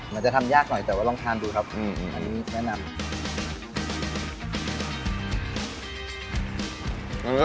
มันจะทำยากหน่อยแต่ว่าลองทานดูครับอันนี้แนะนำ